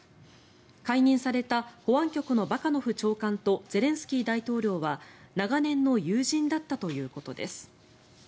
解任された保安局のバカノフ長官とゼレンスキー大統領は長年の友人だったということです。